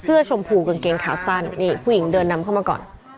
ชมพูกางเกงขาสั้นนี่ผู้หญิงเดินนำเข้ามาก่อน